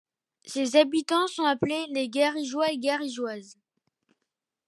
Ses habitants sont appelés les Garrigois et Garrigoises.